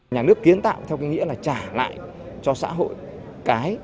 nhà nước kiến tạo theo cái nghĩa là trả lại cho xã hội